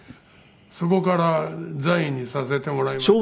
そこから座員にさせてもらいました。